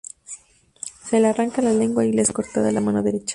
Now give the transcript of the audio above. Se le arranca la lengua y le es cortada la mano derecha.